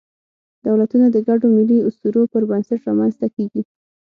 دولتونه د ګډو ملي اسطورو پر بنسټ رامنځ ته کېږي.